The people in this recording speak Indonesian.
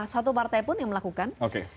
satu partai pun yang melakukan